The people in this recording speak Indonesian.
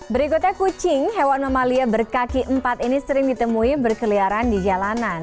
berikutnya kucing hewan mamalia berkaki empat ini sering ditemui berkeliaran di jalanan